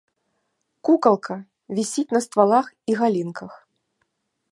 Кукалка вісіць на ствалах і галінках.